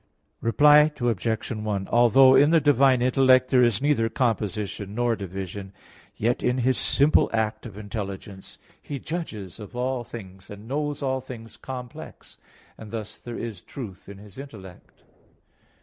Reply Obj. 1: Although in the divine intellect there is neither composition nor division, yet in His simple act of intelligence He judges of all things and knows all things complex; and thus there is truth in His intellect.